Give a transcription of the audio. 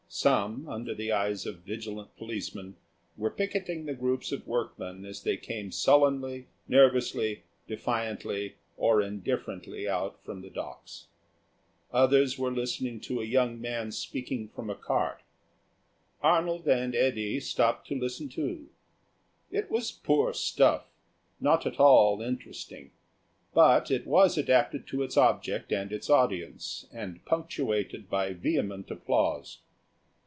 Some, under the eyes of vigilant policemen, were picketing the groups of workmen as they came sullenly, nervously, defiantly, or indifferently out from the Docks. Others were listening to a young man speaking from a cart. Arnold and Eddy stopped to listen, too. It was poor stuff; not at all interesting. But it was adapted to its object and its audience, and punctuated by vehement applause.